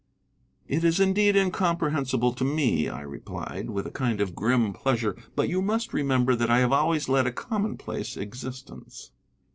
"It is indeed incomprehensible to me," I replied, with a kind of grim pleasure, "but you must remember that I have always led a commonplace existence."